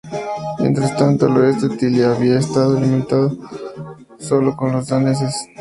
Mientras tanto, al oeste, Tilly había estado lidiando solo con los daneses.